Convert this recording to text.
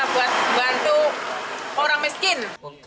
buat bantu orang miskin